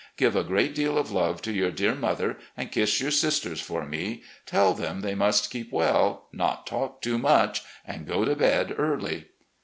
Give a great deal of love to your dear mother, and kiss your sisters for me. Tell them they must keep well, not talk too much, and go to bed early.